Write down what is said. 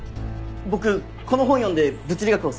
僕この本を読んで物理学を専攻したんです。